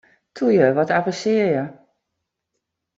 Toe ju, wat avensearje!